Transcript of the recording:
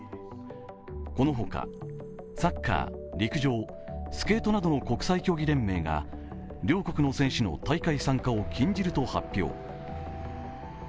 この他、サッカー、陸上スケートなどの国際競技連盟が両国の選手の大会参加を禁じると発表。